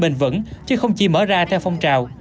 phải sản phẩm bình vẩn chứ không chỉ mở ra theo phong trào